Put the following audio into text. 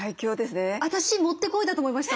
私もってこいだと思いました。